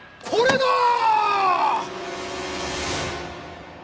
これだ。